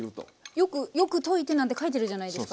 よく「よく溶いて」なんて書いてるじゃないですか。